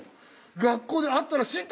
学校で会ったらシンタ！